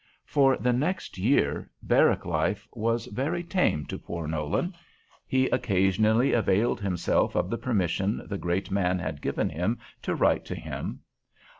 For the next year, barrack life was very tame to poor Nolan. He occasionally availed himself of the permission the great man had given him to write to him.